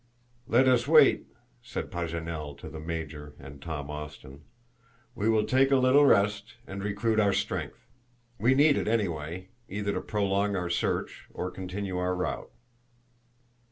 "Let us wait," said Paganel to the Major and Tom Austin. "We will take a little rest, and recruit our strength. We need it anyway, either to prolong our search or continue our route."